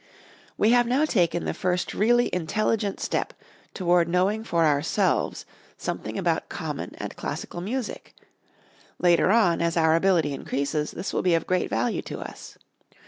We have now taken the first really intelligent step toward knowing for ourselves something about common and classic music. Later on, as our ability increases, this will be of great value to us.